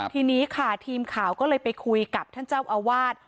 ทีนี้ค่ะทีมข่าวก็เลยไปคุยกับท่านเจ้าอาวาส